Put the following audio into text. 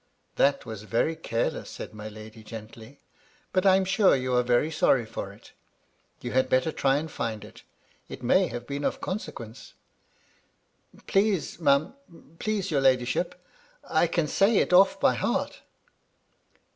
"That was very careless," said my lady, gently. " But I am sure you are very sorry for it You had better try and find it It may have been of conse quence." " Please, Mum — ^please your ladyship — I can say it off by heart.'